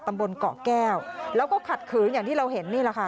ตำบลเกาะแก้วแล้วก็ขัดขืนอย่างที่เราเห็นนี่แหละค่ะ